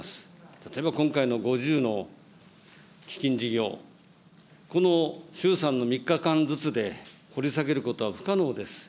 例えば今回の５０の基金事業、この衆参の３日間ずつで掘り下げることは不可能です。